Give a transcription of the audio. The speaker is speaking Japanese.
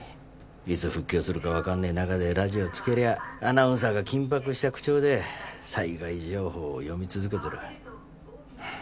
いつ復旧するかわかんねえ中でラジオをつけりゃアナウンサーが緊迫した口調で災害情報を読み続けてる。